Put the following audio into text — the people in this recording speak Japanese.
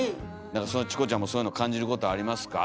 なんかチコちゃんもそういうの感じることありますか？